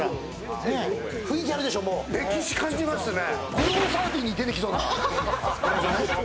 歴史感じますね。